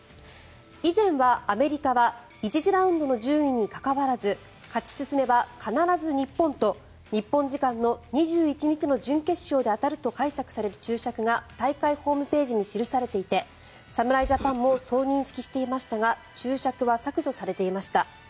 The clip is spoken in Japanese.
以前はアメリカは１次ラウンドの順位に関わらず勝ち進めば必ず日本と日本時間の２１日の準決勝で当たると解釈される注釈が大会ホームページに記されていて侍ジャパンもそう認識していましたが注釈は削除されていました。